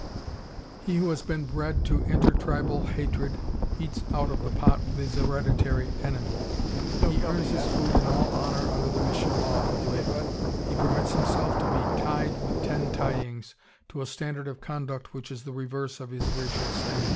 He who has been bred to inter tribal hatred eats out of the pot with his hereditary enemy. He earns his food in all honor under the Mission law of labor. He permits himself to be "tied" with "ten tyings" to a standard of conduct which is the reverse of his racial standards.